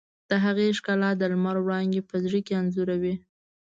د هغې ښکلا د لمر وړانګې په زړه کې انځوروي.